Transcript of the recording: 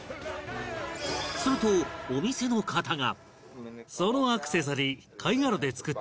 するとお店の方が